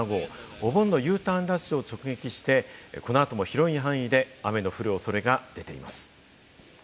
お盆のＵターンラッシュを直撃して、このあとも広い範囲で雨の降るおそれが出ています。